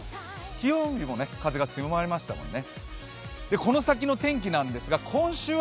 金曜日も風が強まりましたもんね。